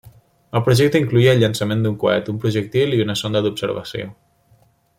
El projecte incloïa el llançament d'un coet, un projectil i una sonda d'observació.